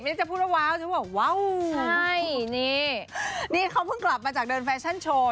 ฉันจะพูดว่าว้าวฉันบอกว้าวใช่นี่นี่เขาเพิ่งกลับมาจากเดินแฟชั่นโชว์